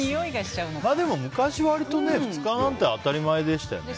でも、昔は割と２日なんて当たり前でしたよね。